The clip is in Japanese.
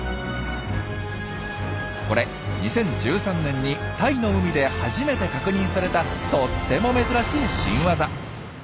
これ２０１３年にタイの海で初めて確認されたとっても珍しい新ワザ。